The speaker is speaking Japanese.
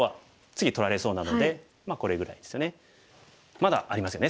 まだありますよね